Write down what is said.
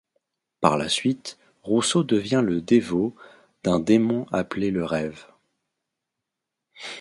Par la suite, Russo devient le dévot d'un démon appelé le Rév.